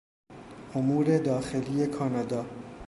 امور داخلی کانادا